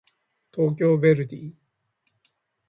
東京ヴェルディ